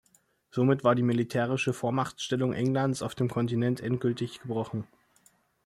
Somit war die militärische Vormachtstellung Englands auf dem Kontinent endgültig gebrochen.